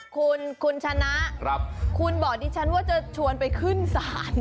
คุณคุณชนะคุณบอกดิฉันว่าจะชวนไปขึ้นศาล